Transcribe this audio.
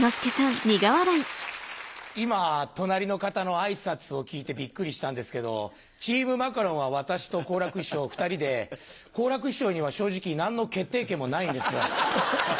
今隣の方の挨拶を聞いてビックリしたんですけどチームマカロンは私と好楽師匠２人で好楽師匠には正直何の決定権もないんですよ。